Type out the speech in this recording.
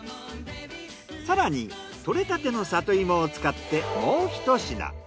更に採れたての里芋を使ってもうひと品。